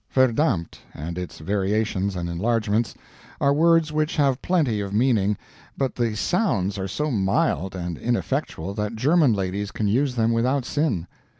"Verdammt," and its variations and enlargements, are words which have plenty of meaning, but the SOUNDS are so mild and ineffectual that German ladies can use them without sin.